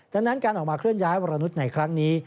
ดังนั้นการออกมาเคลื่อนย้ายวรนุษย์ในครั้งนี้